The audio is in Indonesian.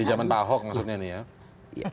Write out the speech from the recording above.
di zaman pahok maksudnya nih ya